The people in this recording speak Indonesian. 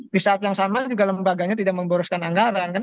di saat yang sama juga lembaganya tidak memboroskan anggaran